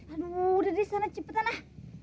aduh udah di sana cepetan ah